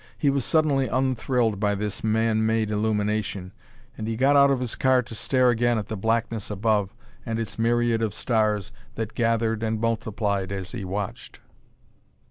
He was suddenly unthrilled by this man made illumination, and he got out of his car to stare again at the blackness above and its myriad of stars that gathered and multiplied as he watched.